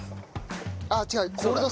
あっ違う。